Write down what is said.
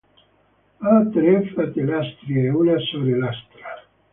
Ha tre fratellastri e una sorellastra.